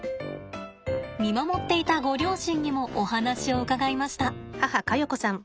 見守っていたご両親にもお話を伺いました。